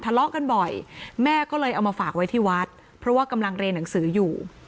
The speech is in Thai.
ทะเลาะกันบ่อยแม่ก็เลยเอามาฝากไว้ที่วัดเพราะว่ากำลังเรียนหนังสืออยู่